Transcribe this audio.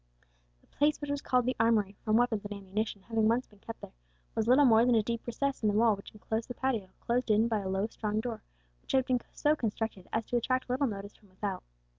The place which was called the armoury, from weapons and ammunition having once been kept there, was little more than a deep recess in the wall which enclosed the patio, closed in by a low strong door, which had been so constructed as to attract little notice from without.